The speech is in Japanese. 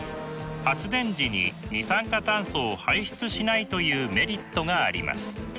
発電時に二酸化炭素を排出しないというメリットがあります。